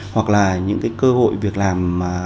hoặc là những cơ hội việc làm